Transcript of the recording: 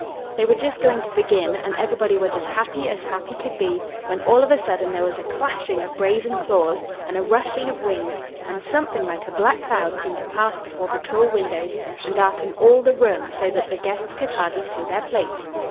They were just going to begin, and everybody was as happy as happy could be, when, all of a sudden, there was a clashing of brazen claws and a rushing of wings, and something like a black cloud seemed to pass before the tall windows and darken all the room, so that the guests could hardly see their plates.